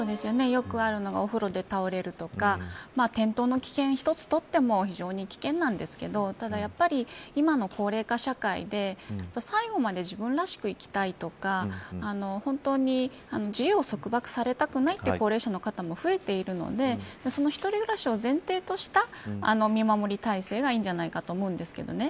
よくあるのがお風呂で倒れるとか転倒の危険一つとっても非常に危険なんですけどただやっぱり、今の高齢化社会で最後まで自分らしく生きたいとか本当に自由を束縛されたくないという高齢者の方も増えているのでその一人暮らしを前提とした見守り態勢がいいんじゃないかと思うんですけどね。